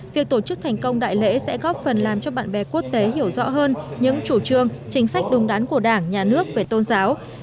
việc tổ chức thành công đại lễ sẽ góp phần làm cho bạn bè quốc tế hiểu rõ hơn những chủ trương chính sách đúng đắn của đảng nhà nước về tôn giáo